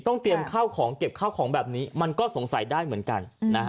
เตรียมข้าวของเก็บข้าวของแบบนี้มันก็สงสัยได้เหมือนกันนะฮะ